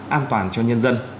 an toàn cho nhân dân